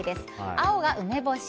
青、梅干し。